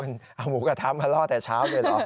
เอาหมูกระทะมาล่อแต่เช้าเลยเหรอ